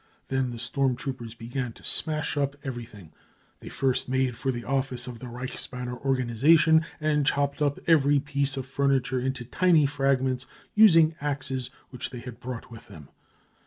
^Then the storm troopers began to smash up everything. They first made for the office of the Reichsbanner organisation, DESTRUCTION OF WORKERS 5 ORGANISATIONS 1 45 and chopped up 'every piece of furniture into tiny fragments, using axes which they had brought with them.